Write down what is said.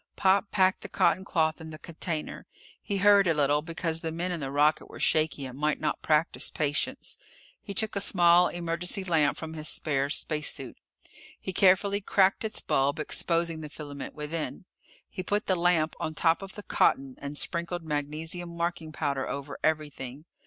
Pop packed the cotton cloth in the container. He hurried a little, because the men in the rocket were shaky and might not practice patience. He took a small emergency lamp from his spare spacesuit. He carefully cracked its bulb, exposing the filament within. He put the lamp on top of the cotton and sprinkled magnesium marking powder over everything.